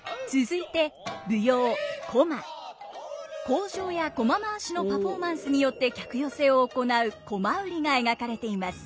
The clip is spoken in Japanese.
口上や独楽回しのパフォーマンスによって客寄せを行う独楽売りが描かれています。